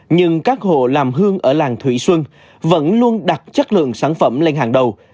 nhưng các hộ làm hương ở làng thụy xuân vẫn luôn đặt chất lượng sản phẩm lên hàng đầu